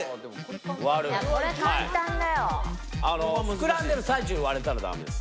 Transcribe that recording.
膨らんでる最中に割れたらダメです。